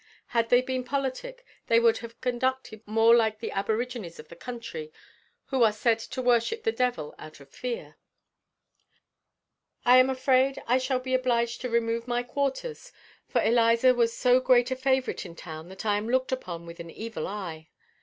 Had they been politic, they would have conducted more like the aborigines of the country, who are said to worship the devil out of fear. I am afraid I shall be obliged to remove my quarters, for Eliza was so great a favorite in town that I am looked upon with an evil eye.